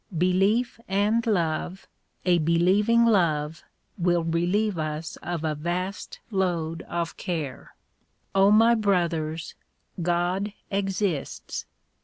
Belief and love — a believing love will relieve us of a vast load of care, O my brothers, God exists.